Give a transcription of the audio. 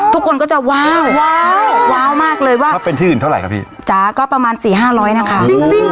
ทุกคนก็จะว้าวว้าวว้าวมากเลยว่าถ้าเป็นที่อื่นเท่าไหร่พี่จ๋าก็ประมาณสี่ห้าร้อยนะคะ